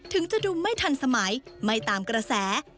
ถึงจะดูไม่ทันสมัยไม่ตามกระแส